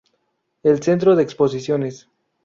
El "Centro de Exposiciones".